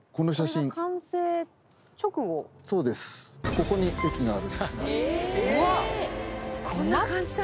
ここに駅があるんですが。